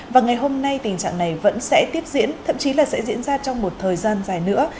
và ngày hôm nay tình trạng này vẫn sẽ tiếp diễn thậm chí là sẽ diễn ra trong một thời gian dài nữa